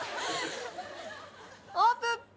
オープン！